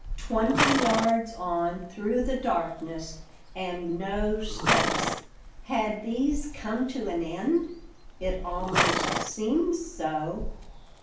Twenty yards on through the darkness, and no steps. Had these come to an end? It almost seemed so.